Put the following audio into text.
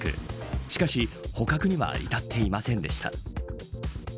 しかし、捕獲には至っていませんでした。